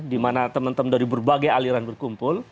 di mana teman teman dari berbagai aliran berkumpul